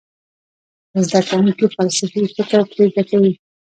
زده کوونکي فلسفي فکر ترې زده کوي.